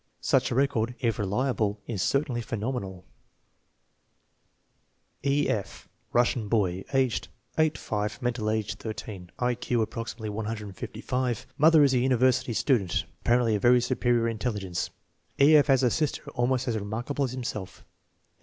Such a record, if reliable, is certainly phenomenal. E. F. Russian bay, age 8 5; mental age 13; I Q approximately 155. Mother is a university student apparently of very superior intelli gence. E. F. has a sister almost as remarkable as himself.